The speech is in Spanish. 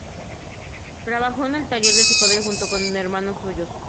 Trabajó en el taller de su padre junto con otros hermanos suyos.